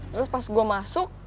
terus pas gue masuk